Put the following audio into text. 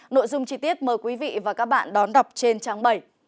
nội dung chi tiết mời quý vị và các bạn đón đọc trên trang bảy